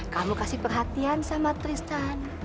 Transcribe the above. kamu kasih perhatian sama tristan